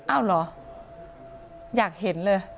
อ้าวเหรออยากเห็นเลย